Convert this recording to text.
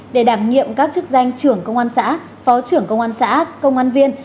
để đảm nhiệm các chức danh trưởng công an xã phó trưởng công an xã công an viên